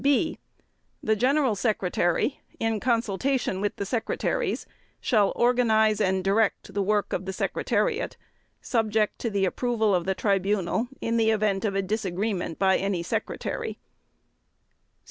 (b) The General Secretary, in consultation with the Secretaries, shall organize and direct the work of the Secretariat, subject to the approval of the Tribunal in the event of a disagreement by any Secretary.